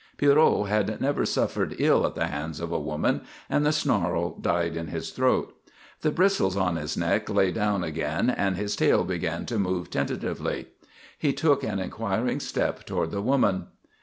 Pierrot had never suffered ill at the hands of a woman, and the snarl died in his throat. The bristles on his neck lay down again and his tail began to move tentatively. He took an inquiring step toward the woman.